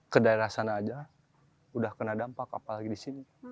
ke daerah sana aja udah kena dampak apalagi disini